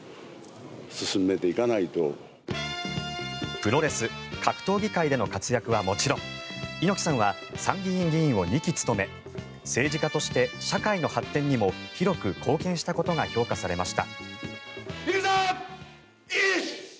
プロレス、格闘技界での活躍はもちろん猪木さんは参議院議員を２期務め政治家として社会の発展にも広く貢献したことが評価されました。